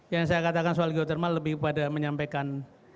yang saya katakan soal geotermal lebih kepada menyampaikan